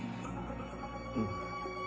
うん。